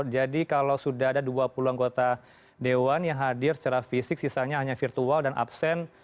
jadi kalau sudah ada dua puluh anggota dewan yang hadir secara fisik sisanya hanya virtual dan absen